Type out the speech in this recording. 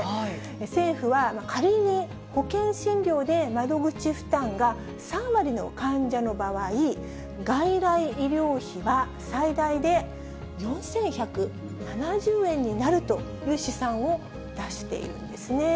政府は、仮に保険診療で窓口負担が３割の患者の場合、外来医療費は最大で４１７０円になるという試算を出しているんですね。